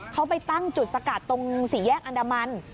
เขาไปตั้งจุดสกัดตรงสี่แยกอันดามัน